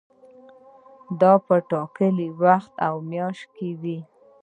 دا په ټاکلي وخت او میاشت کې وي.